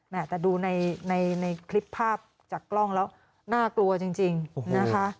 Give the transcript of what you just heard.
แต่ดูในคลิปภาพจากกล้องแล้วน่ากลัวจริงนะคะ